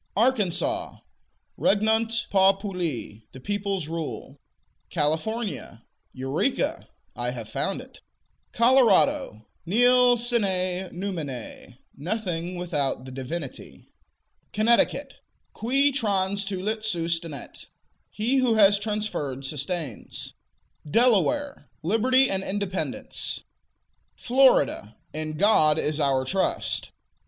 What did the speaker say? Arkansas Regnant populi: The peoples rule. California Eureka: I have found it. Colorado Nil sine numine: Nothing without the Divinity. Connecticut Qui transtulit sustinet: He who has transferred, sustains. Delaware Liberty and Independence. Florida In God is Our trust.